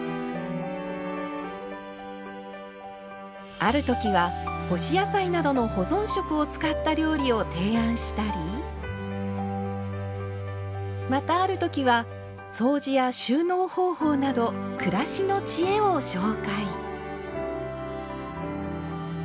ある時は干し野菜などの保存食を使った料理を提案したりまたある時は掃除や収納方法など暮らしの知恵を紹介。